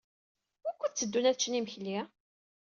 Wukud tteddun ad ččen imekli?